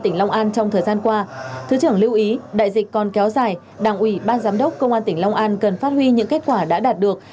trong thời gian dài đảng ủy ban giám đốc công an tỉnh long an cần phát huy những kết quả đã đạt được